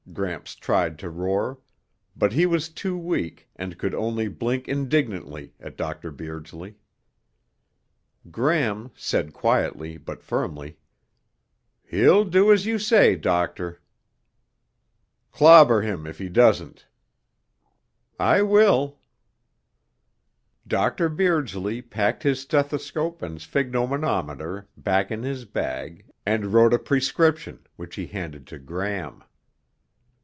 Gramps tried to roar, but he was too weak and could only blink indignantly at Dr. Beardsley. Gram said quietly but firmly, "He'll do as you say, Doctor." "Clobber him if he doesn't." "I will." Dr. Beardsley packed his stethoscope and sphygmomanometer back in his bag and wrote a prescription, which he handed to Gram.